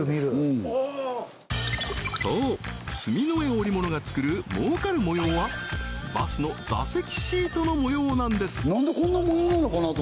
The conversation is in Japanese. そう住江織物が作る儲かる模様はバスの座席シートの模様なんです